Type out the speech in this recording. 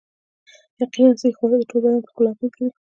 یقیناً صحي خواړه د ټول بدن په ښکلا اغیزه لري